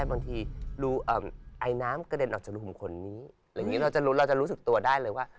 อย่างนั้นเลยเหรอครับใช่